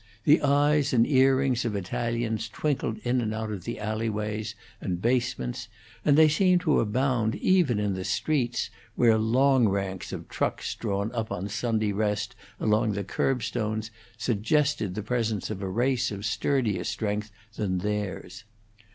The eyes and earrings of Italians twinkled in and out of the alleyways and basements, and they seemed to abound even in the streets, where long ranks of trucks drawn up in Sunday rest along the curbstones suggested the presence of a race of sturdier strength than theirs.